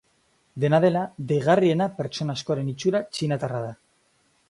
Dena dela, deigarriena pertsona askoren itxura txinatarra da.